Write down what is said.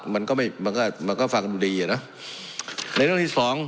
มันก็ไม่มันก็มันก็ฟังกันดีอ่ะนะในเรื่องที่สอง